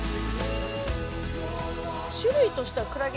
種類としてはクラゲ自体は。